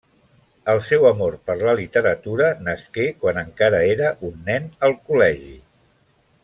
El seu amor per la literatura nasqué quan encara era un nen, al col·legi.